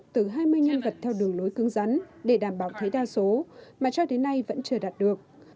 từ hai mươi nhân vật theo đường đối cưng rắn để đảm bảo thấy đa số mà cho đến nay vẫn chưa đạt được